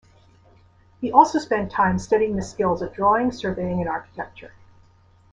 He also spent time studying the skills of drawing, surveying, and architecture.